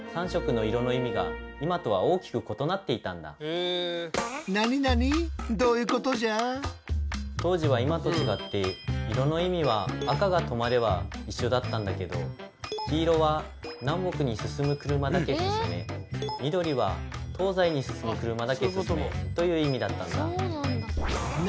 そんな中当時は今と違って色の意味は赤が「止まれ」は一緒だったんだけど黄色は「南北に進む車だけ進め」緑は「東西に進む車だけ進め」という意味だったんだ。